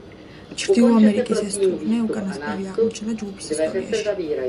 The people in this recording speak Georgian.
ჩრდილო ამერიკის ეს ტურნე უკანასკნელი აღმოჩნდა ჯგუფის ისტორიაში.